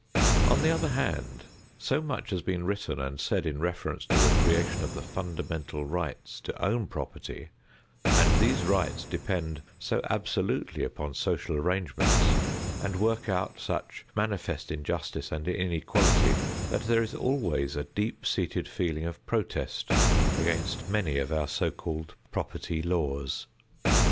On the other hand, so much has been written and said in reference to the creation of the fundamental rights to own property, and these rights depend so absolutely upon social arrangements and work out such manifest injustice and inequality, that there is always a deep seated feeling of protest against many of our so called property laws.